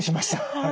はい。